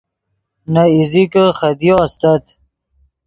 نے ایزیکے خدیو استت